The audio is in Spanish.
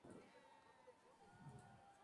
Está presente en el aceite esencial de canela.